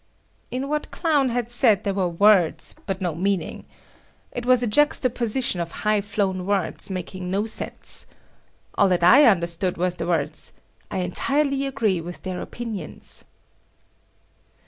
In what Clown had said there were words but no meaning. It was a juxtaposition of high flown words making no sense. All that I understood was the words, "I entirely agree with their opinions."